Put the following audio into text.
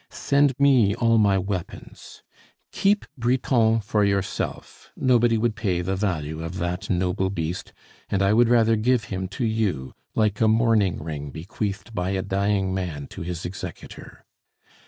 Send me all my weapons. Keep Briton for yourself; nobody would pay the value of that noble beast, and I would rather give him to you like a mourning ring bequeathed by a dying man to his executor.